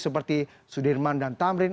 seperti sudirman dan tamrin